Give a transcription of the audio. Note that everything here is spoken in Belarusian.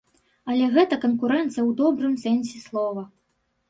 Але гэта канкурэнцыя ў добрым сэнсе слова.